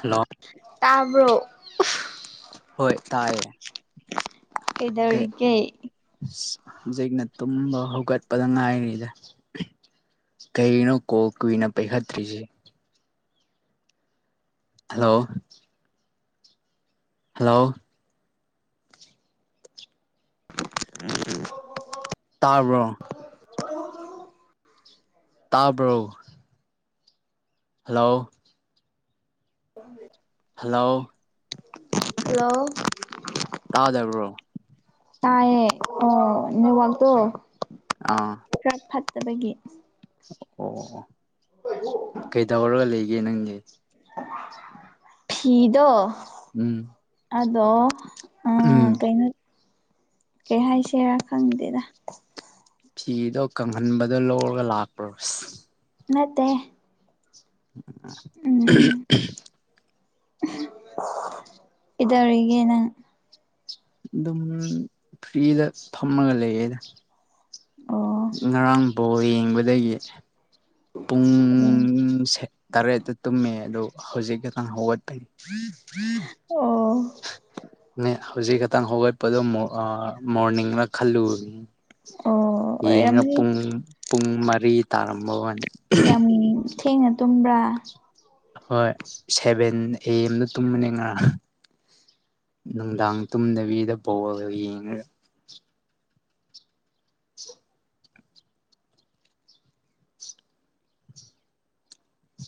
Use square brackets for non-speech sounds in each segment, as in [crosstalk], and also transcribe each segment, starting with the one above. hello ꯇꯥꯕ꯭ꯔꯣ ꯍꯣꯏ ꯇꯥꯏꯌꯦ ꯎ ꯀꯩ ꯀꯩꯗꯧꯔꯤꯒꯦ ꯍꯧꯖꯤꯛꯅ ꯇꯨꯝꯕ ꯍꯧꯒꯠꯄꯗ ꯉꯥꯏꯔꯤꯗ ꯀꯩꯅꯣ ꯀꯣꯜ ꯀꯨꯋꯏꯅ ꯄꯥꯏꯈꯠꯇ꯭ꯔꯤꯁꯤ ꯍꯜꯂꯣ ꯍꯜꯂꯣ ꯇꯥꯔꯕ꯭ꯔꯣ ꯇꯥꯕ꯭ꯔꯣ ꯍꯜꯂꯣ ꯎꯝ ꯍꯜꯂꯧ ꯍꯂꯣ ꯇꯥꯗꯕ꯭ꯔꯣ ꯇꯑꯦ ꯑꯣ ꯅꯦꯠꯋꯥꯛꯇꯣ ꯑꯥ ꯈ꯭ꯔ ꯐꯠꯇꯕꯒꯤ ꯑꯣ ꯑꯣ ꯀꯩꯗꯧꯔꯒ ꯂꯩꯒꯦ ꯅꯪꯗꯤ ꯐꯤꯗꯣ ꯎꯝ ꯑꯗꯣ ꯎꯝ ꯀꯩꯅꯣ ꯀꯩ ꯍꯥꯏꯁꯦꯔꯥ ꯈꯪꯗꯦꯗ ꯐꯤꯗꯣ ꯀꯪꯍꯟꯕꯗꯣ ꯂꯧꯔꯒ ꯂꯥꯛꯄꯔꯁ ꯅꯠꯇꯦ [inaudible] ꯀꯤꯗꯧꯔꯤꯒꯦ ꯅꯪ ꯑꯗꯨꯝ ꯐ꯭ꯔꯤꯗ ꯐꯝꯃꯒ ꯂꯩꯌꯦꯗ ꯑꯣ ꯉꯔꯥꯡ ꯕꯣꯜ ꯌꯦꯡꯕꯗꯒꯤ ꯄꯨꯡ ꯑꯣ ꯇꯔꯦꯠꯇ ꯇꯨꯝꯃꯦ ꯑꯗꯨꯗꯣ ꯍꯧꯖꯤꯛ ꯈꯛꯇꯪ ꯍꯧꯒꯠꯄꯒꯤ ꯑꯣ [unintelligible] ꯍꯧꯖꯤꯛ ꯈꯛꯇꯪ ꯍꯧꯒꯠꯄꯗꯣ ꯃꯣ ꯑ ꯃꯣꯔꯅꯤꯡꯔ ꯈꯜꯂꯨꯕꯅꯤ ꯑꯣ ꯌꯦꯡꯉ ꯑꯣꯏꯔꯝꯅꯤ ꯄꯨꯡ ꯄꯨꯡ ꯃꯔꯤ ꯇꯥꯔꯝꯕ ꯋꯅꯦ ꯌꯥꯝ ꯊꯦꯡꯅ ꯇꯨꯝꯕ꯭ꯔꯥ ꯍꯣꯏ ꯁꯦꯚꯦꯟ ꯑꯦ ꯑꯦꯝ ꯗ ꯇꯨꯝꯕꯅꯤ ꯉꯥꯔꯥꯡ ꯅꯨꯡꯗꯥꯡ ꯇꯨꯝꯗꯕꯤꯗ ꯄꯣꯜ ꯌꯦꯡꯉꯒ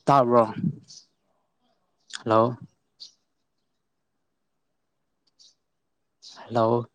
ꯇꯥꯕ꯭ꯔꯣ ꯍꯜꯂꯣ ꯍꯜꯂꯣ